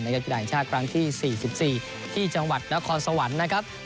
กีฬาแห่งชาติครั้งที่๔๔ที่จังหวัดนครสวรรค์นะครับ